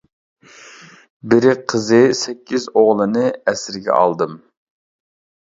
بىرى قىزى، سەككىز ئوغلىنى ئەسىرگە ئالدىم.